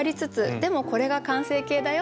でもこれが完成形だよ